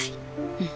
うん。